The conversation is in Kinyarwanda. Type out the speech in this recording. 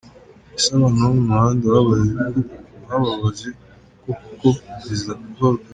Ese abana bo mu muhanda bababaje koko Perezida Kagame?